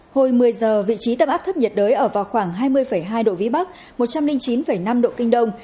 hồi một mươi giờ vị trí tâm áp thấp nhiệt đới ở vào khoảng hai mươi hai độ vĩ bắc một trăm linh chín năm độ kinh đông